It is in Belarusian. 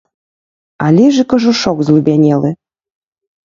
Але ж і кажушок злубянелы!